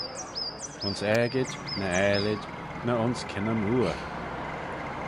Ayns aegid, ny aalid, ny ayns kynney mooar?